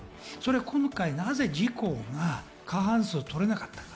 今回なぜ、自公が過半数を取れなかったか。